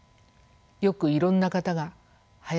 よくいろんな方が「林さん